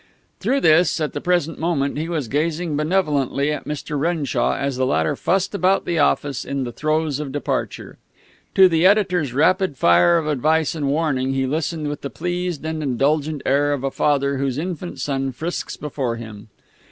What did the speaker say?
Through this, at the present moment, he was gazing benevolently at Mr. Renshaw, as the latter fussed about the office in the throes of departure. To the editor's rapid fire of advice and warning he listened with the pleased and indulgent air of a father whose infant son frisks before him.